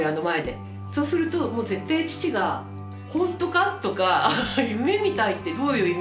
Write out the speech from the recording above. そうするともう絶対父が「ほんとか？」とか「夢みたいってどういう意味だよ